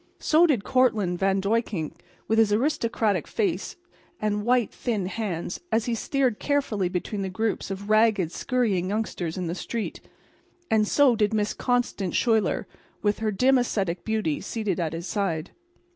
So did Cortlandt Van Duyckink, with his aristocratic face and white, thin hands, as he steered carefully between the groups of ragged, scurrying youngsters in the streets. And so did Miss Constance Schuyler, with her dim, ascetic beauty, seated at his side.